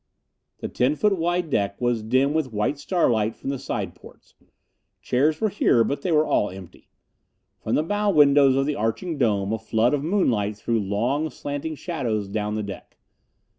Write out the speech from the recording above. The ten foot wide deck was dim with white starlight from the side ports. Chairs were here, but they were all empty. From the bow windows of the arching dome a flood of moonlight threw long, slanting shadows down the deck.